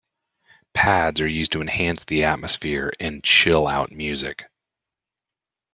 Pads are used to enhance the atmosphere in chill out music.